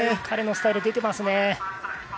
彼のスタイルが出ていますね。